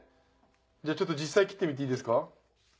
じゃあちょっと実際切ってみていいですか？